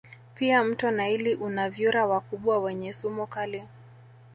Pia mto naili una vyura wakubwa wenye sumu kali